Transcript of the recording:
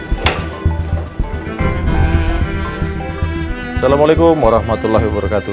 assalamualaikum warahmatullahi wabarakatuh